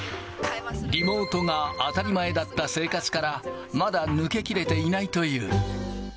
リモートが当たり前だった生活からまだ抜け切れていないという。